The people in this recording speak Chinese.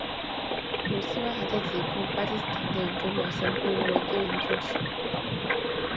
努斯拉还在几部巴基斯坦电影中表演并为电影作曲。